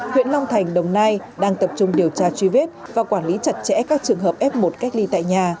huyện long thành đồng nai đang tập trung điều tra truy vết và quản lý chặt chẽ các trường hợp f một cách ly tại nhà